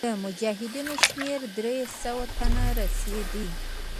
د مجاهدینو شمېر دریو سوو ته رسېدی.